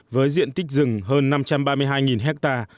với diện tích rừng hơn năm trăm ba mươi hai ha